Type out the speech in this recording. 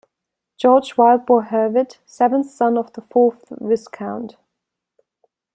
George Wyldbore Hewitt, seventh son of the fourth Viscount.